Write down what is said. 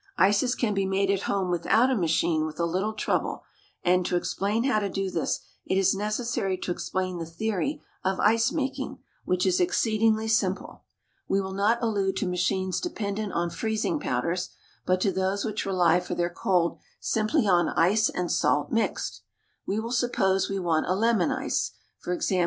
Ices can be made at home without a machine with a little trouble, and, to explain how to do this, it is necessary to explain the theory of ice making, which is exceedingly simple. We will not allude to machines dependent on freezing powders, but to those which rely for their cold simply on ice and salt mixed. We will suppose we want a lemon water ice, _i.